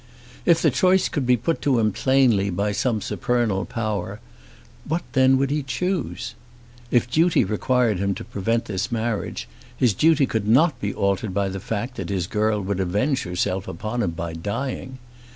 If the choice could be put to him plainly by some supernal power, what then would he choose? If duty required him to prevent this marriage, his duty could not be altered by the fact that his girl would avenge herself upon him by dying!